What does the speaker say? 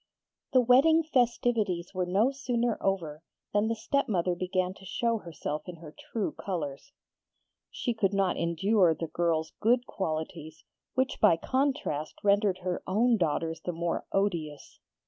The wedding festivities were no sooner over than the stepmother began to show herself in her true colours. She could not endure the girl's good qualities, which by contrast rendered her own daughters the more odious.